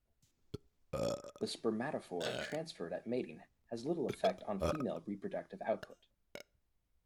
The spermatophore transferred at mating has little effect on female reproductive output.